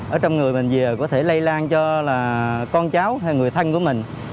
ở trong người bệnh về có thể lây lan cho là con cháu hay người thân của mình